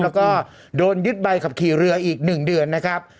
แล้วก็โดนยึดใบขับขี่เรืออีก๑เดือนนะครับ